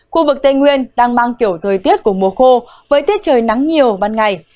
khu vực tây nguyên đang mang kiểu thời tiết của mùa khô với tiết trời nắng nhiều ban ngày